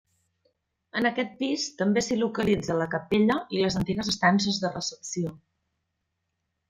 En aquest pis també s'hi localitza la capella i les antigues estances de recepció.